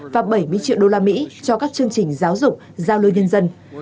và bảy mươi triệu đô la mỹ cho các chương trình giáo dục giao lưu nhân dân